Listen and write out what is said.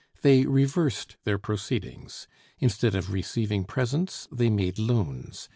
They reversed their proceedings. Instead of receiving presents, they made loans.